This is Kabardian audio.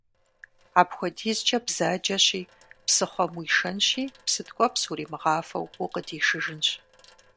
Апхуэдизкӏэ бзаджэщи, псыхъуэм уишэнщи псы ткӏуэпс уримыгъафэу укъыдишыжынщ.